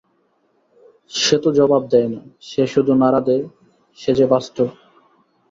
সে তো জবাব দেয় না, সে শুধু নাড়া দেয়–সে যে বাস্তব।